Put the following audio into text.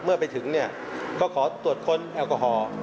เมื่อไปถึงเนี่ยก็ขอตรวจค้นแอลกอฮอล์